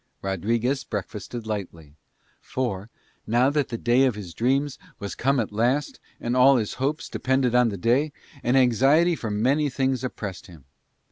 Rodriguez breakfasted lightly; for, now that the day of his dreams was come at last and all his hopes depended on the day, an anxiety for many things oppressed him.